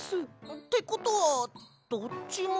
ってことはどっちも。